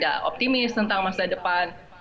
ya optimis tentang masa depan